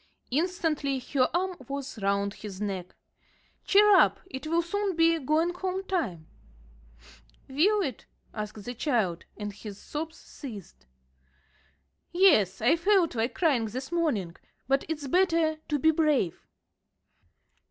Instantly her arm was round his neck. "Cheer up! It will soon be going home time." [Illustration: "Cheer up."] "Will it?" asked the child, and his sobs ceased. "Yes. I felt like crying this morning. But it's better to be brave."